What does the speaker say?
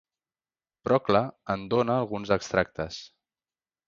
Procle en dona alguns extractes.